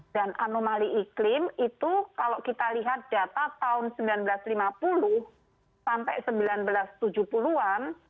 dan anomali iklim itu kalau kita lihat data tahun seribu sembilan ratus lima puluh sampai seribu sembilan ratus tujuh puluh an